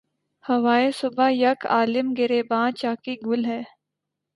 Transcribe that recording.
ہوائے صبح یک عالم گریباں چاکی گل ہے